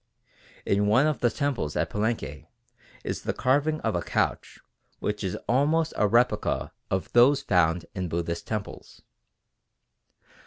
In one of the temples at Palenque is the carving of a couch which is almost a replica of those found in Buddhist temples.